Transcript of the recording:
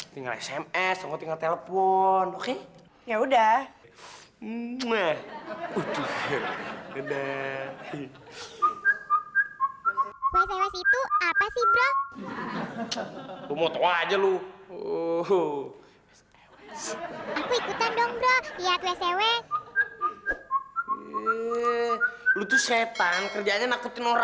sampai jumpa di video selanjutnya